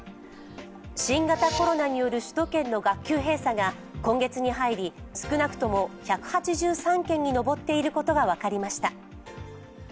新型コロナによる首都圏の学級閉鎖が今月に入り少なくとも１８３件に上っていることが分かりました。